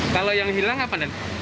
kalau yang hilang apa nanti